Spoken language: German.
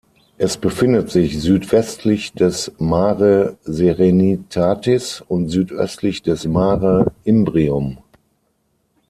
Es befindet sich südwestlich des Mare Serenitatis und südöstlich des Mare Imbrium.